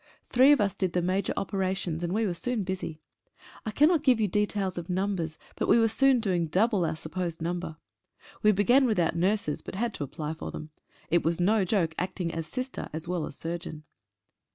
Three of us did the major opera tions, and we were soon busy. I cannot give you details of numbers, but we were soon doing double our sup posed number. We began without nurses, but had to apply for them. It was no joke acting as sister as well as surgeon.